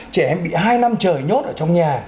trẻ em bị hai năm trời nhốt ở trong nhà